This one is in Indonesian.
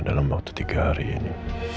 dalam waktu tiga hari ini